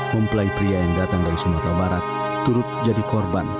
mempelai pria yang datang dari sumatera barat turut jadi korban